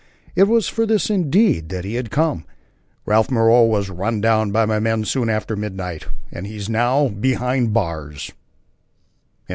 It was for this, indeed, that he had come. "Ralph Moreau was run down by my men soon after midnight, and he's now behind the bars."